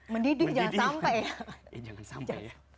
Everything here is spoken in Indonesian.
mendidih jangan sampai ya